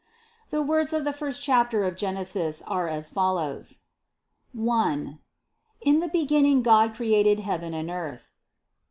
81. The words of the first chapter of Genesis are as follows : 1. "In the beginning God created heaven and earth.